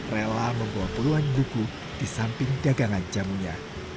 rela membawa puluhan buku di samping dagangan jamunya